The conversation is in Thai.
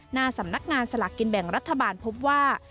หน้าสำนักงานสลากกินแบ่งรัฐบาลพบว่า